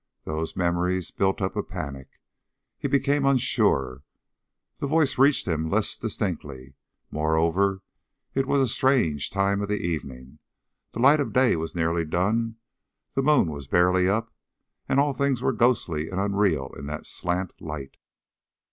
Those memories built up a panic. He became unsure. The voice reached him less distinctly. Moreover it was a strange time of the evening. The light of the day was nearly done; the moon was barely up, and all things were ghostly and unreal in that slant light.